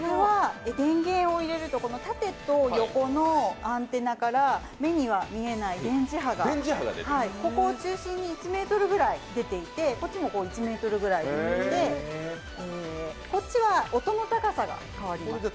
電源を入れると、縦と横のアンテナから目には見えない電磁波が、ここを中心に１ｍくらい出ていてこっちも１ｍぐらい出ていてこっちは音の高さが変わります。